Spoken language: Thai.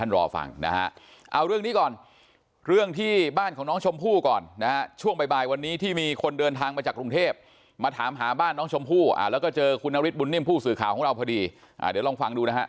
รอฟังนะฮะเอาเรื่องนี้ก่อนเรื่องที่บ้านของน้องชมพู่ก่อนนะฮะช่วงบ่ายวันนี้ที่มีคนเดินทางมาจากกรุงเทพมาถามหาบ้านน้องชมพู่แล้วก็เจอคุณนฤทธบุญนิ่มผู้สื่อข่าวของเราพอดีเดี๋ยวลองฟังดูนะฮะ